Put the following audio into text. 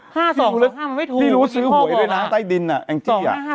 ๕๒๕๕มันไม่ถูกพี่รู้ซื้อหวยด้วยนะใต้ดินอะแอ้งจี้อยาก